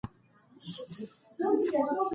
او هم د جغتو ولسوالۍ سړك جوړ شي. اړتياوې: